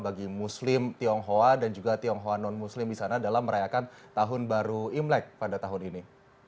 bagi muslim tionghoa dan juga tionghoa non muslim di sana dalam merayakan tahun baru imlek pada tahun ini